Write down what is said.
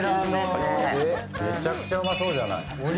めちゃくちゃうまそうじゃない。